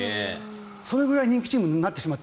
それぐらい人気チームになってしまった。